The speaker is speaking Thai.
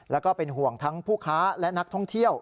แล้วก็เป็นห่วงทั้งผู้ค้าและนักท่องเที่ยว